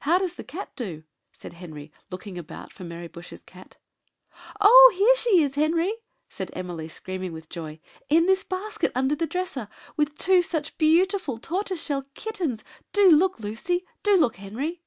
"How does the cat do?" said Henry, looking about for Mary Bush's cat. "Oh, here she is, Henry!" said Emily, screaming with joy, "in this basket under the dresser, with two such beautiful tortoiseshell kittens! Do look, Lucy do look, Henry!"